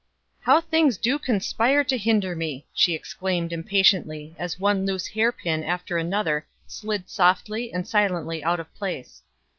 "How things do conspire to hinder me!" she exclaimed impatiently as one loose hair pin after another slid softly and silently out of place.